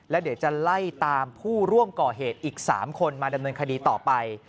แล้วเดี๋ยวจะไล่ตามผู้ร่วมก่อเหตุอีก๓คนมาดำเนินคดีต่อไป